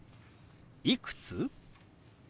「いくつ？」。